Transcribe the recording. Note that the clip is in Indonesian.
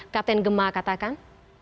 kapten gemma katakan